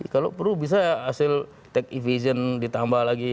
kalau perlu bisa hasil tax evasion ditambah lagi